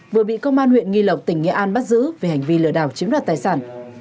vừa bị công an huyện nghi lộc tỉnh nghệ an bắt giữ về hành vi lừa đảo chiếm đoạt tài sản